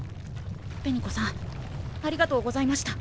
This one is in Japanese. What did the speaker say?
紅子さんありがとうございました。